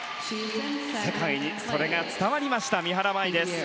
世界にそれが伝わりました三原舞依です。